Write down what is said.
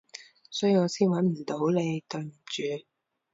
所以我先搵唔到你，對唔住